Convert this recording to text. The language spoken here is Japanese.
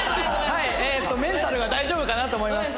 メンタルは大丈夫かなと思います。